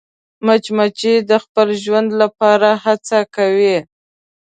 مچمچۍ د خپل ژوند لپاره هڅه کوي